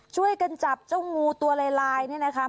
ช่วยกันจับเจ้างูตัวลายเนี่ยนะคะ